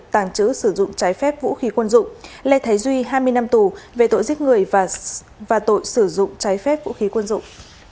tàng trữ sử dụng trái phép vũ khí quân dụng lê thái duy hai mươi năm tù về tội giết người và tội sử dụng trái phép vũ khí quân dụng